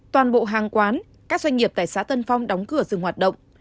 toàn bộ hàng quán các doanh nghiệp tại xã tân phong đóng cửa dừng hoạt động